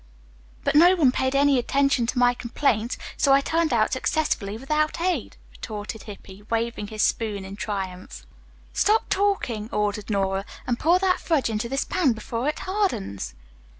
"But no one paid any attention to my complaints, so I turned out successfully without aid," retorted Hippy, waving his spoon in triumph. "Stop talking," ordered Nora, "and pour that fudge into this pan before it hardens."